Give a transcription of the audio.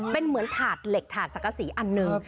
เป็นเหมือนถาดเหล็กถาดสังกษีอันหนึ่ง